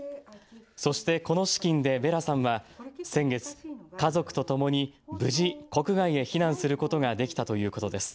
そして、この資金でヴェラさんは先月、家族とともに無事、国外へ避難することができたということです。